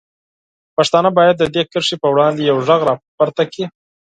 پښتانه باید د دې کرښې په وړاندې یوغږ راپورته کړي.